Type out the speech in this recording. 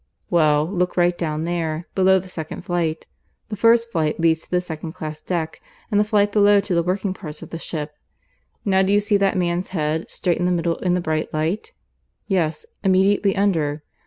"Well, look right down there, below the second flight. The first flight leads to the second class deck, and the flight below to the working parts of the ship. Now do you see that man's head, straight in the middle, in the bright light? yes, immediately under.